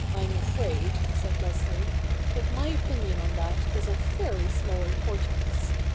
* I'm afraid,' said Leslie, ' that my opinion on that is of very small importance.